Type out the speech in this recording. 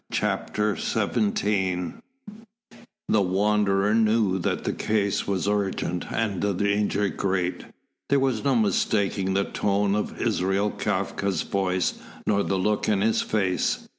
CHAPTER XVII The Wanderer knew that the case was urgent and the danger great. There was no mistaking the tone of Israel Kafka's voice nor the look in his face.